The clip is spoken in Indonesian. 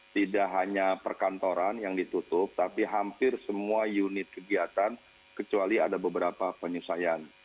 tidak hanya perkantoran yang ditutup tapi hampir semua unit kegiatan kecuali ada beberapa penyusayan